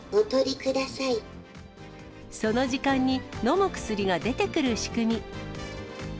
その時間に、飲む薬が出てくる仕組み。